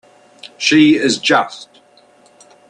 She is just.